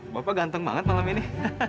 bapak ganteng banget malam ini